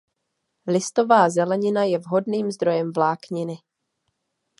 Listová zelenina je vhodným zdrojem vlákniny.